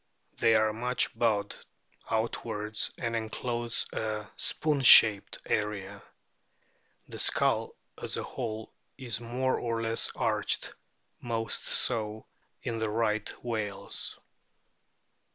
They are much bowed outwards, and enclose a spoon shaped area. The skull as a whole is more or less arched, most so in the Rio ht o whales.